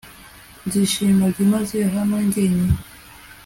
Nzishima byimazeyo hano jyenyine